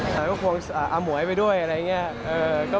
ก็ควรอามอยไปด้วยอะไรอย่างนี้